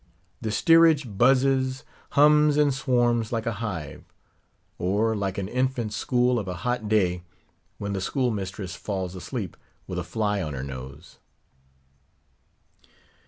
The steerage buzzes, hums, and swarms like a hive; or like an infant school of a hot day, when the school mistress falls asleep with a fly on her nose.